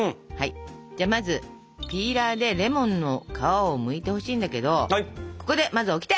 じゃあまずピーラーでレモンの皮をむいてほしいんだけどここでまずオキテ！